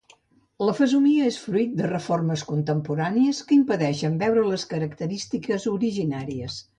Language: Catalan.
La fesomia és fruit de reformes contemporànies que impedeixen veure les característiques originàries.